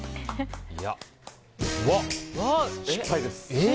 失敗です。